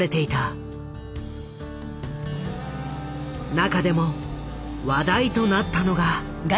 中でも話題となったのが。